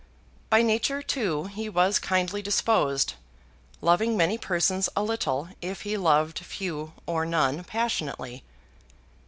By nature, too, he was kindly disposed, loving many persons a little if he loved few or none passionately.